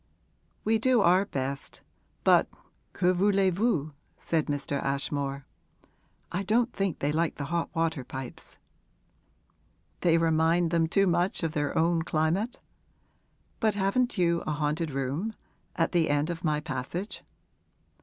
'We do our best, but que voulez vous?' said Mr. Ashmore. 'I don't think they like the hot water pipes.' 'They remind them too much of their own climate? But haven't you a haunted room at the end of my passage?'